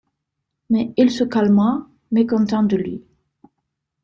Mais il se calma, mécontent de lui.